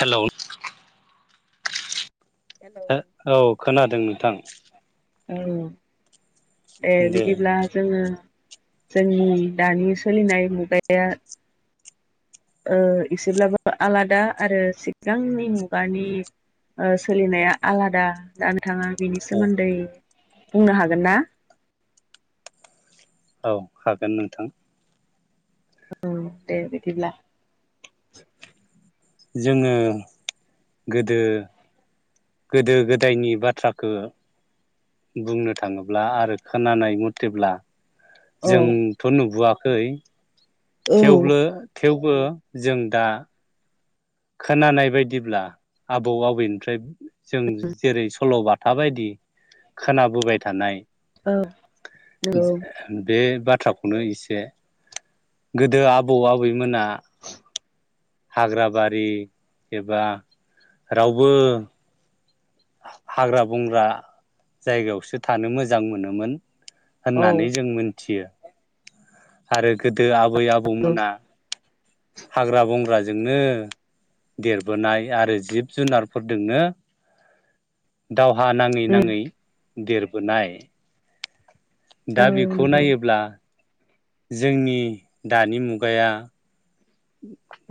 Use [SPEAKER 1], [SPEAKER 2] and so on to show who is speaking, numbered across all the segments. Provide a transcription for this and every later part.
[SPEAKER 1] Hello
[SPEAKER 2] hello
[SPEAKER 1] औ खोनादों नोंथां।
[SPEAKER 2] औ ए
[SPEAKER 1] दे
[SPEAKER 2] बिदिब्ला जोङो जोंनि दानि सोलिनाय मुगाया ओ एसेब्लाबो आलादा आरो सिगांनि मुगानि ओ सोलिनाया आलादा दा थाङा बेनि
[SPEAKER 1] औ
[SPEAKER 2] सोमोन्दै बुंनो हागोन ना?
[SPEAKER 1] औ हागोन नोंथां।
[SPEAKER 2] ओ दे बिदिब्ला
[SPEAKER 1] जोङो गोदो गोदो गोदायनि बाथ्राखौ बुंनो थाङोब्ला आरो खोनानाय मथेब्ला
[SPEAKER 2] औ
[SPEAKER 1] जोंथ' नुबोआ खै
[SPEAKER 2] औ
[SPEAKER 1] थेवबो थेवबो जों दा खोनानाय बायदिब्ला आबौ आबैनिफ्राय जों जेरै सल'बाथा बायदि खोनाबोबाय थानाय
[SPEAKER 2] औ नंगौ
[SPEAKER 1] बे बाथ्राखौनो एसे गोदो आबौ आबैमोना हाग्रा बारि एबा रावबो हाग्रा बंग्रा जायगायावसो थानो मोजां मोनोमोन होननानै
[SPEAKER 2] औ
[SPEAKER 1] जों मोनथियो। आरो गोदो आ बै आबौमोना हाग्रा बंग्राजोंनो देरबोनाय आरो जिब जुनारफोरदोंनो दावहा नाङै नाङै देरबोनाय। दा बेखौ
[SPEAKER 2] नंगौ
[SPEAKER 1] नायोब्ला जोंनि दानि मुगाया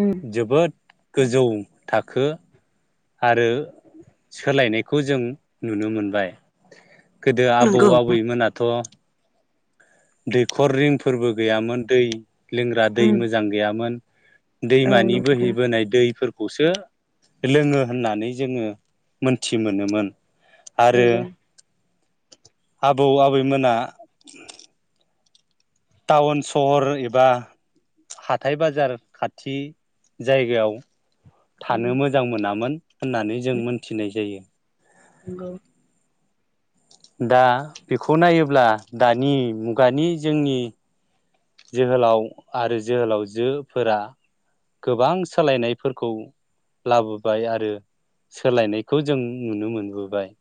[SPEAKER 2] उम
[SPEAKER 1] जोबोद गोजौ थाखो आरो सोलायनायखौ जों नुनो मोनबाय गोदो
[SPEAKER 2] औ
[SPEAKER 1] आबौ
[SPEAKER 2] नंगौ
[SPEAKER 1] आबैमोनाथ' दैखर रिंफोरबो गैयामोन दै लोंग्रा दै
[SPEAKER 2] उम
[SPEAKER 1] मोजां गैयामोन दैमानि
[SPEAKER 2] नंगौ उम औ नंगौ
[SPEAKER 1] बोहैबोनाय दै फोर खौसो लोङो होननानै जोङो मोनथि मोनोमोन। आरो
[SPEAKER 2] नंगौ
[SPEAKER 1] आबौ आबैमोना टाउन सहर एबा हाथाय बाजार खाथि जायगायाव
[SPEAKER 2] उम
[SPEAKER 1] थानो मोजां मोनामोन होननानै जों मोनथिनाय जायो।
[SPEAKER 2] नंगौ
[SPEAKER 1] दा बेखौ नायोब्ला दानि मुगानि जोंनि जोहोलाव आरो जोहोलावजोफोरा गोबां सोलायनायफोरखौ लाबोबाय आरो सोलायनायखौ जों नुनो मोनबोबाय।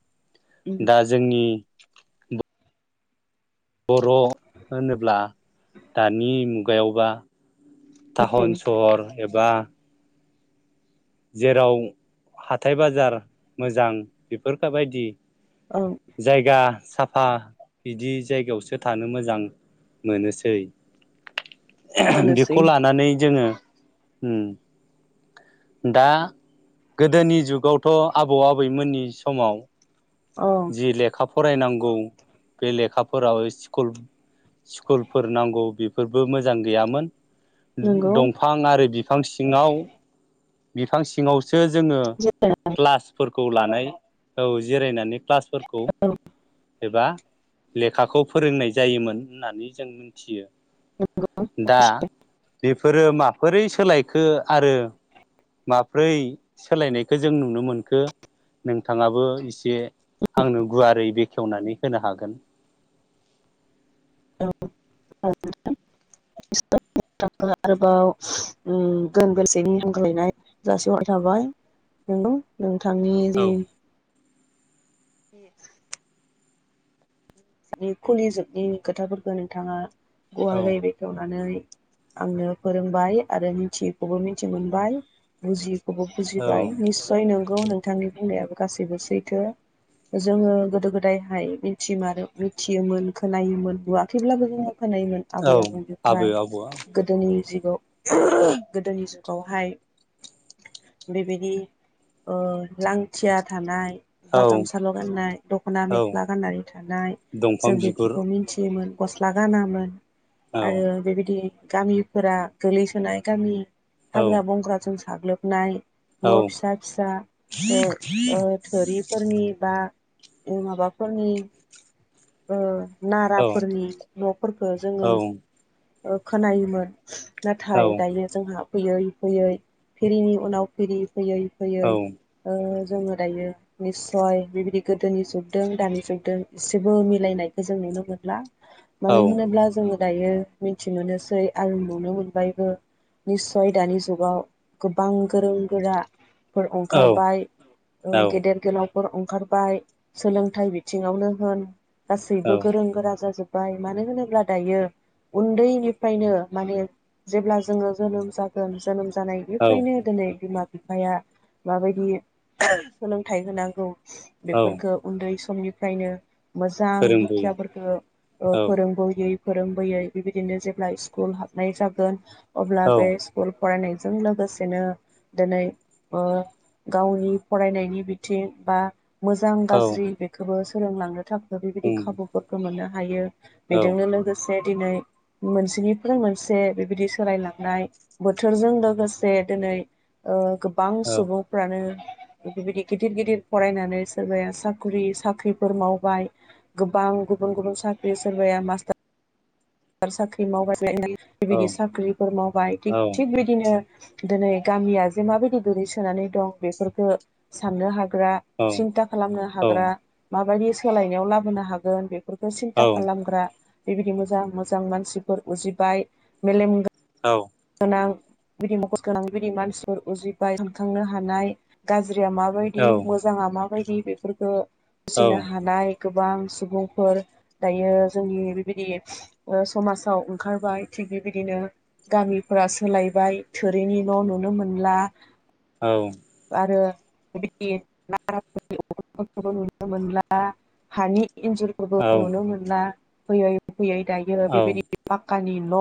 [SPEAKER 2] उम
[SPEAKER 1] दा जोंनि [unintelligible] बर' होनोब्ला दानि मुगायावबा थाह'न सहर एबा जेराव हाथाय बाजार मोजां बेफोरखाबायदि
[SPEAKER 2] औ
[SPEAKER 1] जायगा सा फा बिदि जायगायावसो थानो मोजां मोनोसै।
[SPEAKER 2] मोनोसै
[SPEAKER 1] बेखौ लानानै जोङो होम दा गोदोनि जुगावथ' आबौ आबैमोननि समाव
[SPEAKER 2] औ
[SPEAKER 1] जि लेखा फरायनांगौ बे लेखाफोराव स्कुल स्कुलफोर नांगौ बेफोरबो मोजां गैयामोन
[SPEAKER 2] नंगौ
[SPEAKER 1] दंफां आरो बिफां सिङाव बिफां सिङाव सो जोङो क्लास फोर खौ लानाय औ जिरायनानै क्लासफोरखौ एबा लेखाखौ फोरोंनाय जायोमोन होननानै जों मिन्थियो। दा बेफोरो माफोरै सोलाय खो आरो माब्रै सोलायनायखो जों नुनो मोनखो नोंथाङाबो इसे आंनो गुवारै बेखेवनानै होनो हागोन
[SPEAKER 2] [unintelligible] थांनि जि
[SPEAKER 1] औ
[SPEAKER 2] [unintelligible] खुलिजोबनि खोथाफोरखौ नोंथांङा
[SPEAKER 1] औ
[SPEAKER 2] गुवारै बेखौवनानै आंनो फोरोंबाय आरो मिथियैखौबो मिथि मोनबाय बुजियि खौबो
[SPEAKER 1] औ
[SPEAKER 2] बुजिबाय निसय नों गौ नोंथांनि बुंनायाबो गासैबो सैथो जोंङो गोदो गोदायहाय मिथिमारो मिथियोमोन खोनायोमोन नुवाखैब्लाबो जों खोनायोमोन
[SPEAKER 1] औ
[SPEAKER 2] आबै
[SPEAKER 1] आबै
[SPEAKER 2] आबौनिफ्राय
[SPEAKER 1] आबौआ
[SPEAKER 2] गोदोनि जि गोदोनि जुगावहाय बेबायदि ओरैबादि लांथिया थानाय
[SPEAKER 1] औ
[SPEAKER 2] बा गामसाल' गाननाय दख'ना
[SPEAKER 1] औ
[SPEAKER 2] मेख्ला गाननानै थानाय
[SPEAKER 1] दंफां बिगुर
[SPEAKER 2] मोन गस्ला गानामोन
[SPEAKER 1] औ
[SPEAKER 2] आरो बेबायदि गामिफोरा गोलैसोनाय गामि
[SPEAKER 1] औ
[SPEAKER 2] हाग्रा बंग्रा जोंसो साग्लोबनाय
[SPEAKER 1] औ
[SPEAKER 2] न' फिसा फिसा ओ-ओ थोरिफोरनि बा ओ माबाफोरनि ओ नाराफोरनि न'फोरखौ जोंङो
[SPEAKER 1] औ
[SPEAKER 2] ओ खोनायोमोन नाथाय दायो जोंहा फैयै फैयै फिरिनि उनाव फिरि फैयै
[SPEAKER 1] औ
[SPEAKER 2] फैयै ओ जोंङो दायो निस्सय बिबायदि गोदोनि जुगदों दानि जुगदों एसे जेबो मिलायनायखौ जों नुनो मोनला
[SPEAKER 1] औ
[SPEAKER 2] मानो होनोब्ला जोंङो दायो मिन्थि मोनोसै आं नुनो मोनबायबो निस्सय दानि जुगाव गोबां गोरों गोरा फोर
[SPEAKER 1] औ
[SPEAKER 2] अंखारबाय
[SPEAKER 1] औ
[SPEAKER 2] ओ गेदेर गोलाव फोर अंखारबाय सोलोंथाइ बिथिंङावनो होन गासैबो
[SPEAKER 1] औ
[SPEAKER 2] गोरों गोरा जाजोब बाय मानो होनोब्ला दायो उन्दैनिफ्रायनो माने जेब्ला जोंङो जोनोम जागोन जोनोम
[SPEAKER 1] औ
[SPEAKER 2] जानायनिफ्रायनो दिनै बिमा बि बिफाया माबायदि सोलोंथाइ होनांगौ।
[SPEAKER 1] औ
[SPEAKER 2] बेफोरखौ उन्दै समनिफ्रायनो मोजां
[SPEAKER 1] फोरोंबोयो
[SPEAKER 2] हुखियाफोरखौ ओ
[SPEAKER 1] औ
[SPEAKER 2] फोरोंबोयै फोरोंबोयै बेबायदिनो जेब्ला स्कुल हाबनाय जागोन अब्ला
[SPEAKER 1] औ
[SPEAKER 2] बे स्कुल फरायनायजों लोगोसेनो दिनै ओ गावनि फरायनायनि बिथिं बा मोजां
[SPEAKER 1] औ
[SPEAKER 2] गाज्रि बेखौबो फोरोंलांनो थाखा बेबायदि
[SPEAKER 1] उम
[SPEAKER 2] खाबुफोरखौ मोना हायो।
[SPEAKER 1] औ
[SPEAKER 2] बेजोंनो लोगोसे बे दिनै मोनसेनिफ्राय मोनसे बेबायदि सोलायलांनाय बोथोरजों लोगोसे दिनै ओ गोबां
[SPEAKER 1] औ
[SPEAKER 2] सुबुंफ्रानो बेबायदि गिदिर गिदिर फरायनानै सोरबाया साख्रि साख्रिफोर मावबाय गोबां गुबुन गुबुन साख्रि सोरबाया मास्टार [inaudible] साख्रि माव [inaudible]
[SPEAKER 1] औ
[SPEAKER 2] बेबायदि साख्रिफोर मावबाय थि
[SPEAKER 1] औ
[SPEAKER 2] थिग बिदिनो दिनै गामिया जे माबायदि गोगलैसोनानै दं बेफोरखौ साननो हागोन ग्रा सिन्था खालामनो हाग्रा माबायदि सोलायनायाव लाबोनो हागोन बे बेफोरखौ सिन्था खालामग्रा बेबायदि मोजां मोजां मोजां मानसिफोर उजिबाय मेलेम गो गोनां बिदि मखस गोनां बेबादि मानसिफोर उजिबाय सानखांनो हानाय गा गाज्रिया माबायदि मोजांआ माबायदि बे बेफोरखौ।
[SPEAKER 1] औ
[SPEAKER 2] बुजिनो हानाय गोबां सुबुंफोर दायो जोंनि बेबायदि समाजाव ओंखारबाय थिग बेबायदिनो गामिफोरा सोलायबाय थोरिनि न नुनो मोनला
[SPEAKER 1] औ
[SPEAKER 2] आरो बेबायदि नाराफोरनि उखुमफोरखौबो नुनो मोनला हानि एनजुरफोरखौ
[SPEAKER 1] औ
[SPEAKER 2] नुनो मोनला फैयै फैयै दायो
[SPEAKER 1] औ
[SPEAKER 2] बेबायदि कानि न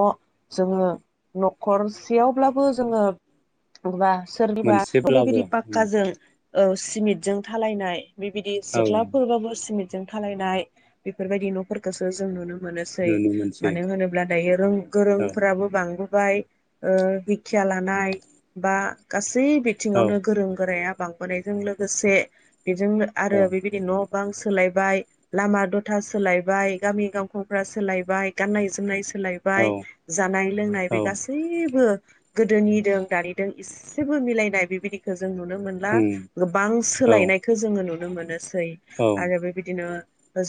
[SPEAKER 2] जोंङो नखरसेयावब्लाबो जोंङो माबा सोरनिबा
[SPEAKER 1] मोनसेब्लाबो
[SPEAKER 2] बेबायदि
[SPEAKER 1] उम
[SPEAKER 2] पाक्काजों औ सिमेन्टजों दालायनाय बिबायदि
[SPEAKER 1] औ
[SPEAKER 2] सिथ्लाफोरबाबो सिमेन्ट जों दालायनाय बेफोरबायदि न'फोरखौसो जों नुनो मोनोसै
[SPEAKER 1] नुनो मोनसै
[SPEAKER 2] मानो होनोब्ला दायो रों
[SPEAKER 1] औ
[SPEAKER 2] गोरोंफोराबो बांबो ओमफ्राय ओ दिखिया लानाय बा गासै
[SPEAKER 1] औ
[SPEAKER 2] बिथिङावनो गोरों गोराया बांबोनायजों लोगोसे बेजोंनो आरो
[SPEAKER 1] औ
[SPEAKER 2] बेबायदि न' बां सोलायबाय लामा दथा सोलायबाय गामि गांखंफ्रा सोलायबाय गाननाय जोमनाय सो
[SPEAKER 1] औ
[SPEAKER 2] सोलायबाय जानाय लोंनाय
[SPEAKER 1] उम औ
[SPEAKER 2] बे गासैबो गोदोनि दों दानिदों इसेबो मिलायनाय बेबायदिखो जों नुनो मोनला गोबां
[SPEAKER 1] औ
[SPEAKER 2] सोलायनायखौ जोङो नुनो नुनो मोनो सै आरो बेबायदिनो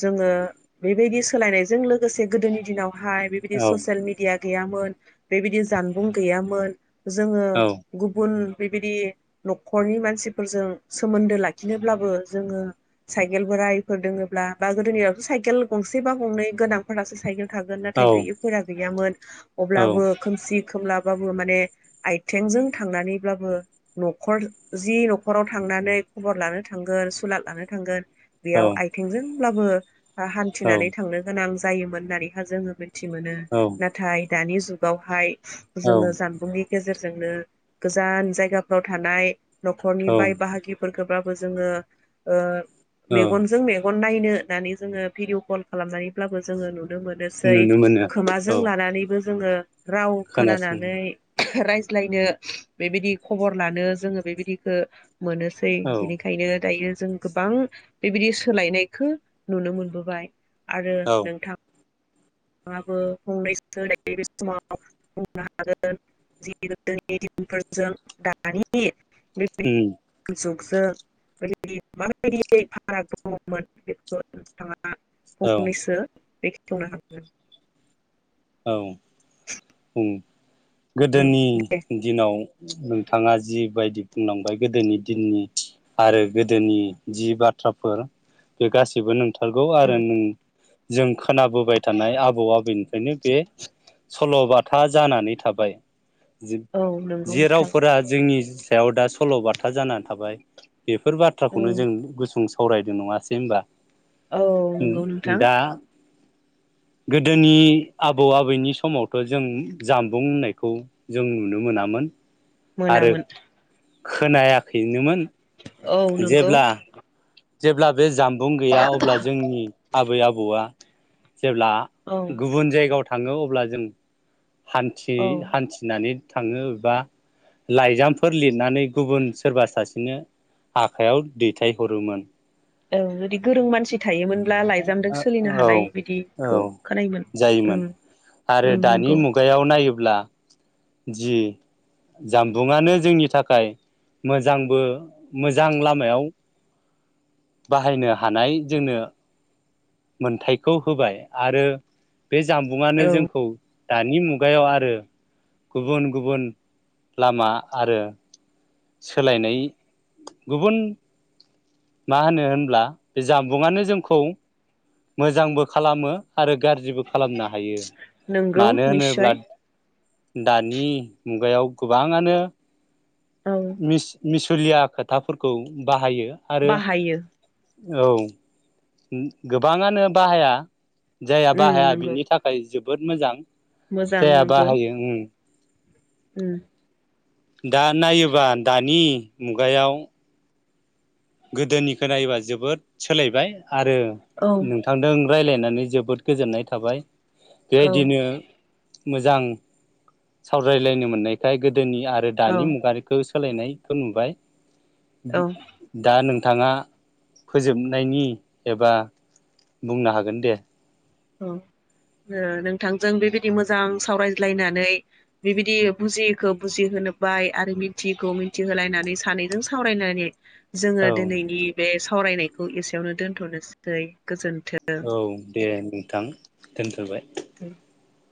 [SPEAKER 2] जोङो बेबायदि सोलायनायजों लोगोसे गोदोनि दिनाव ओमफ्राय बिबायदि ससियेल मिदिया गैयामोन बेबायदि जानबुं गैयामोन जोङो गुबुन बेबायदि न'खरनि मानसिफोरजों सोमोन्दो लाखिनोब्लाबो जोङो साइकेल बोरायफोर दोङब्ला बा गोदोनिआवथ' साइकेल गंसे बा गंनै गोनांफोरासो साइकेल नाथाय गैयिफोरा गैयामोन अब्लाबो खोमसि खोमलाबाबो माने आयथिंजों थांनानैब्लाबो न'खर जि न'खराव थांनानै खबर लानो थांगोन सुलाद लानो थांगोन बेयाव आथिंजोंब्लाबो बा हान्थिनानै थांनो गोनां जायोमोन होननानै हा जोङो मोन थिमोनो नाथाय दानि जु जुगावहाय जोंङो जामबुंनि गेजेरजोंनो गोजान जायगा फोराव थानाय न'खरनि बाय
[SPEAKER 1] औ
[SPEAKER 2] बाहागिफोर खोबलाबो जोंङो ओ
[SPEAKER 1] औ
[SPEAKER 2] मेगनजों मेगन नायनो होननानै जोंङो भिडिय' कल खालामनानैब्लाबो जोंङो नु नुनो मोनोसै
[SPEAKER 1] नुनो मोनो औ
[SPEAKER 2] खोमाजों लानानैबो जोंङो राव
[SPEAKER 1] खोनासं
[SPEAKER 2] खोनानानै रायज्लायनो बेबायदि खबर लानो जोंङो बेबायदिखो मोनोसै
[SPEAKER 1] औ
[SPEAKER 2] बिनिखायनो दायो जों गोबां बेबायदि सोलायनायखो नुनो मोनबोबाय आरो
[SPEAKER 1] औ
[SPEAKER 2] नोंथां नोंथांआबो फंनैसो दायो बे समाव बुंनो हागोन जि गोदोनि दिनफोरजों दानि बे
[SPEAKER 1] उम
[SPEAKER 2] जुग जों बाइदि माबायदि फाराग दंंङमोन बेखौ नोंथांङा आं
[SPEAKER 1] औ
[SPEAKER 2] फंनैसो बेखे बुंनो हागोन
[SPEAKER 1] औ उम
[SPEAKER 2] उम
[SPEAKER 1] गोदोनि
[SPEAKER 2] दे
[SPEAKER 1] दिनाव नोंथांङा जि बायदि बुंलांबाय गोदोनि दिननि आरो गोदोनि जि बाथ्राफोर बे गासैबो नों थारगौ आरो
[SPEAKER 2] उम
[SPEAKER 1] नों जों खोनाबोबाय थानाय आबौ आबैनि बे सल'बाथा जानानै थाबाय।
[SPEAKER 2] औ नंगौ
[SPEAKER 1] जि-जि
[SPEAKER 2] नोंथां
[SPEAKER 1] रावफोरा जोंनि सायाव दा सल'बाथा जाना थाबाय। बेफोर बाथ्राखौनो
[SPEAKER 2] उम
[SPEAKER 1] जों गुसुं सावरायदों नंङासै होनबा
[SPEAKER 2] औ नोंगौ नोंथां
[SPEAKER 1] गोदोनि आबौ आबैनि समावथ' जों जामबुं होननायखौ जों नुनो मोनामोन आरो
[SPEAKER 2] मोनामोन
[SPEAKER 1] खोनायाखैनोमोन
[SPEAKER 2] औ नंगौ
[SPEAKER 1] जेब्ला जेब्ला बे जामबुं गैया अब्ला जोंनि आबै आबौआ जेब्ला
[SPEAKER 2] औ
[SPEAKER 1] गुबुन जायगायाव थाङो अब्ला जों हान्थियै
[SPEAKER 2] औ
[SPEAKER 1] हान्थिनानै थाङो एबा लाइजामफोर लिरनानै गुबुन सोरबा सासेनो आखायाव दैथायहरोमोन
[SPEAKER 2] औ जुदि गोरों मानसि थायोमोन ब्ला लाइजामजों सोलिनो
[SPEAKER 1] औ
[SPEAKER 2] हालाय
[SPEAKER 1] औ
[SPEAKER 2] बिदिखौ खोनायोमोन
[SPEAKER 1] जायोमोन
[SPEAKER 2] उम उम नंगौ
[SPEAKER 1] ब्ला जि जामबुङानो जोंनि थाखाय मोजांबो मोजां लामायाव बाहायनो हानाय जोंनो मोनथायखौ होबाय आरो बे जामबुङानो
[SPEAKER 2] औ
[SPEAKER 1] जोंखौ दानि मुगायाव आरो गुबुन गुबुन लामा आरो सोलायनाय गुबुन मा होनो होनब्ला बे जामबुंआनो जोंखौ मोजांबो खालामो आरो गाज्रिबो खालामनो हायो
[SPEAKER 2] नोंगौ
[SPEAKER 1] मानो होनोब्ला
[SPEAKER 2] निस्सय
[SPEAKER 1] दानि मुगायाव गोबाङानो
[SPEAKER 2] औ
[SPEAKER 1] मिस मिस थुरिया खोथाफोरखौ बाहायो आरो
[SPEAKER 2] बाहायो
[SPEAKER 1] औ ओ गोबाङानो बाहाया जाया
[SPEAKER 2] उम
[SPEAKER 1] बाहाया
[SPEAKER 2] नंगौ
[SPEAKER 1] बिनि थाखाय जोब बोद मोजां
[SPEAKER 2] मोजां
[SPEAKER 1] जाया
[SPEAKER 2] नंगौ
[SPEAKER 1] बाहायो ओं
[SPEAKER 2] उम
[SPEAKER 1] दा नायोबा दानि मुगायाव गोदोनिखो नायोबा जोबोद सोलायबाय आरो
[SPEAKER 2] औ
[SPEAKER 1] नोंथांदों रायलायनानै जोबोद गोजोननाय थाबाय
[SPEAKER 2] औ
[SPEAKER 1] बेबायदिनो मोजां सावरायलायनो मोननायखाय गोद दोनि आरो
[SPEAKER 2] औ
[SPEAKER 1] दानि मुगानिखौ सोलायनायखो नुबाय।
[SPEAKER 2] औ
[SPEAKER 1] [unintelligible] दा नोंथाङा फोजोबनायनि एबा बुंनो हागोन दे।
[SPEAKER 2] औ ओ नोंथांजों बेबायदि मोजां सावरायज्लायनानै बेबायदि बुजियैखौ बुजिहोनोबाय आरो मिथियैखौ मिथिहोलायनानै सानैजों सावरायनानै
[SPEAKER 1] औ
[SPEAKER 2] जोङो दोनैनि बे साव सावरायनायखौ एसेयावनो दोनथ'नोसै गोजोन
[SPEAKER 1] औ दे उम। थां दोनथ'बाय।
[SPEAKER 2] [unintelligible]